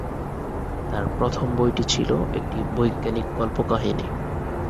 তার প্রথম বইটি ছিল একটি বৈজ্ঞানিক কল্পকাহিনি।